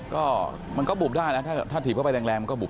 ก็มันก็บุบนี่แต่ถี่บไปแรงก็บุบ